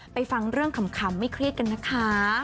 ฟังเรื่องขำไม่เครียดกันนะคะ